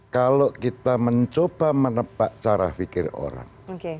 kalau kita mencoba menepat cara pikir orang